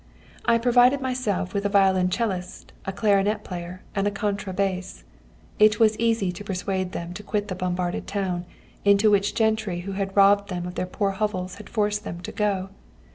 I provided myself with a violoncellist, a clarinet player, and a contra bass. It was easy to persuade them to quit the bombarded town, into which the gentry who had robbed them of their poor hovels had forced them to go.